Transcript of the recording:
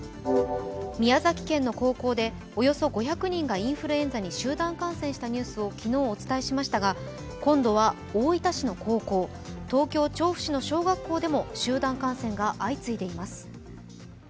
宮崎県の高校でおよそ５００人がインフルエンザに集団感染したニュースを昨日、お伝えしましたが今度は大分市の高校、東京・調布市の小学校でも集団感染が相次いでいます。